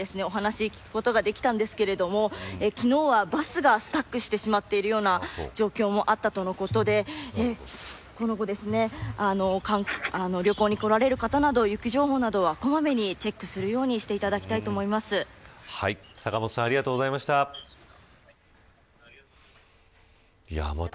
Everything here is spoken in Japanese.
他にも観光客の方にお話を聞くことができたんですが昨日はバスがスタックしているような状態もあったとのことで旅行に来られる方など雪情報などは小まめにチェックするように阪本さんありがとうございました。